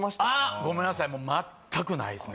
ごめんなさい全くないですね